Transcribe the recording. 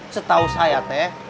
setahu saya teh